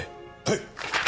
はい。